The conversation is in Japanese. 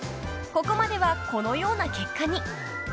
［ここまではこのような結果に］